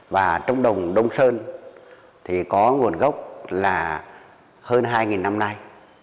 và trống đồng đông sơn thì có nguồn gốc là hơn hai năm nay